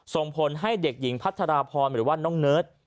ส่งผลให้เด็กหญิงพัทรพรหรือว่าน้องเนิร์ด